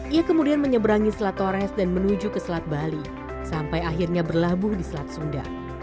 ia kemudian menyeberangi selat tores dan menuju ke selat bali sampai akhirnya berlabuh di selat sunda